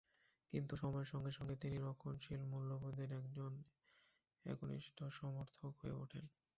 কিন্তু সময়ের সঙ্গে সঙ্গে তিনি রক্ষণশীল মূল্যবোধের একজন একনিষ্ঠ সমর্থক হয়ে ওঠেন।